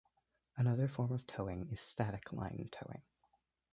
Another form of towing is "static line" towing.